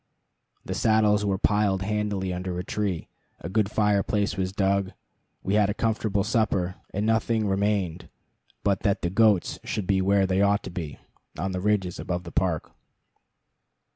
The saddles were piled handily under a tree, a good fireplace was dug, we had a comfortable supper; and nothing remained but that the goats should be where they ought to be on the ridges above the park.